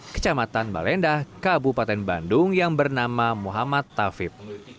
kecamatan balendah kabupaten bandung yang bernama muhammad tafib